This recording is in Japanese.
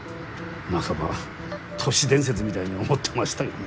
半ば都市伝説みたいに思ってましたけどね。